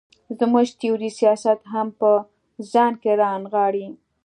زموږ تیوري سیاست هم په ځان کې را نغاړي.